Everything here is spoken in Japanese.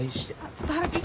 ちょっと春樹。